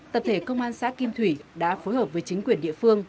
tập thể công an xã kim thủy đã phối hợp với chính quyền địa phương